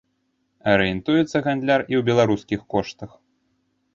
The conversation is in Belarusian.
Арыентуецца гандляр і ў беларускіх коштах.